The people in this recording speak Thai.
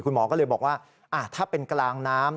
คุณหมอก็เลยบอกว่าถ้าเป็นกลางน้ำ